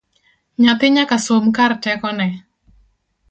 Nyathi nyaka som kar tekone